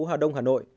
hà đông hà nội